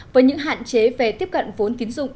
với những hạn chế về tiếp cận vốn tín dụng